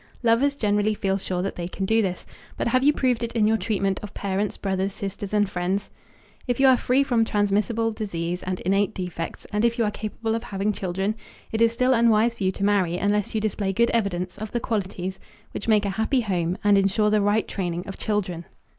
Lovers generally feel sure that they can do this, but have you proved it in your treatment of parents, brothers, sisters, and friends? If you are free from transmissible disease and innate defects, and if you are capable of having children, it is still unwise for you to marry unless you display good evidence of the qualities which make a happy home and insure the right training of children.